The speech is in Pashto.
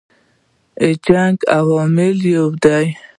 جنګ عواملو یو دی.